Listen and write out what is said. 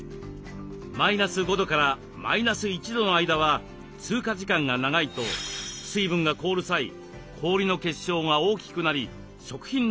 マイナス５度からマイナス１度の間は通過時間が長いと水分が凍る際氷の結晶が大きくなり食品の組織を損なうのです。